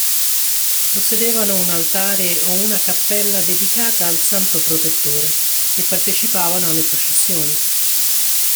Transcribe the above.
Possedevano un altare o una cappella dedicata al santo protettore e partecipavano alle processioni.